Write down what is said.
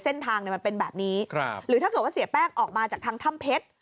เส้นทางเนี่ยมันเป็นแบบนี้หรือถ้าเกิดว่าเสียแป้งออกมาจากทางถ้ำเพชร